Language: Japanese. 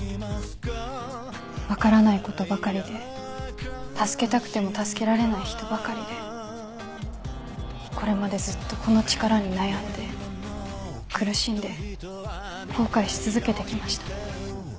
分からないことばかりで助けたくても助けられない人ばかりでこれまでずっとこの力に悩んで苦しんで後悔し続けて来ました。